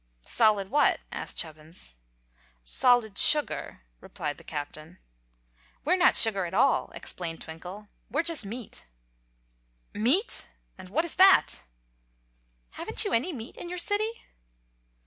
"Solid what?" asked Chubbins. "Solid sugar," replied the Captain. "We're not sugar at all," explained Twinkle. "We're just meat." "Meat! And what is that?" "Haven't you any meat in your city?"